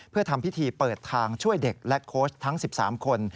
เพื่อทำพิธีเปิดทางช่วยเด็กและโค้ชทั้ง๑๓คน